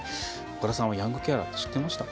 岡田さんはヤングケアラーって知っていましたか？